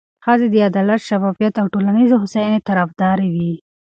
ښځې د عدالت، شفافیت او ټولنیزې هوساینې طرفداره وي.